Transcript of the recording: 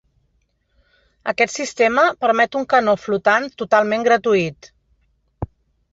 Aquest sistema permet un canó flotant totalment gratuït.